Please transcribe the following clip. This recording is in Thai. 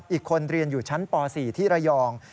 อีกคนเรียนอยู่ชั้นป๔ที่ระยอง